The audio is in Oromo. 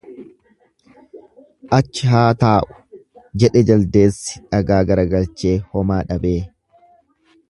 Achi haa taa'u jedhe jaldeessi dhagaa garagalchee homaa dhabee.